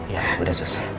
ya udah sus